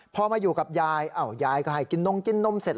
พอมาอยู่กับยายยายก็ให้กินนมกินนมเสร็จ